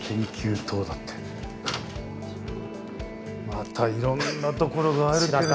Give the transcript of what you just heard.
またいろんなところがあるけれども。